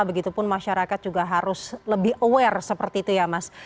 begitupun masyarakat juga harus lebih aware seperti itu ya mas